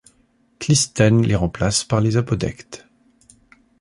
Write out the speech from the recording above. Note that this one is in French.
Clisthène les remplace par les apodectes.